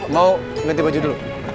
mau ganti baju dulu